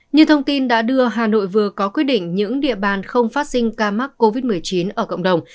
như thông tin đã đưa hà nội vừa có quyết định những địa bàn không phát sinh ca mắc covid một mươi chín ở cộng đồng